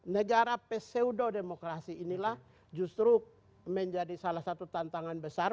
negara peseudo demokrasi inilah justru menjadi salah satu tantangan besar